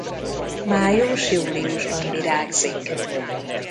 Május–júliusban virágzik.